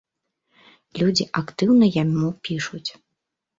Людзі актыўна яму пішуць.